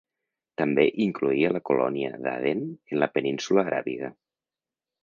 També incloïa la colònia d'Aden en la Península Aràbiga.